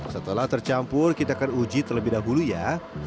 setelah tercampur kita akan uji terlebih dahulu ya